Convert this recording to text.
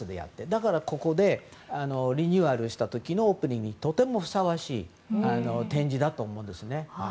だからリニューアルした時のオープニングにとてもふさわしい展示だと思うんです。